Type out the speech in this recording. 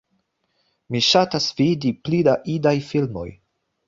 Mi ŝatas vidi pli da idaj filmoj